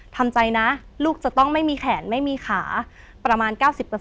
ทำใจนะลูกจะต้องไม่มีแขนไม่มีขาประมาณ๙๐